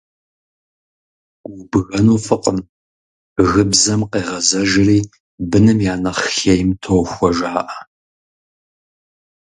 Убгэну фӏыкъым, гыбзэм къегъэзэжри быным я нэхъ хейм тохуэ, жаӀэ.